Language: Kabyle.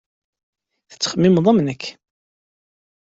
Tettxemmimeḍ am nekk.